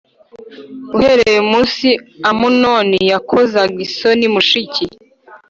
Uhereye umunsi Amunoni yakozaga isoni mushiki